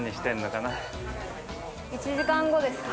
１時間後ですか。